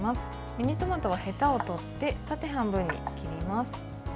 ミニトマトはへたを取って縦半分に切ります。